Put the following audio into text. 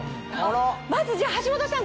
まずじゃあ橋本さん。